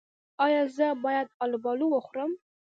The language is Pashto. ایا زه باید الوبالو وخورم؟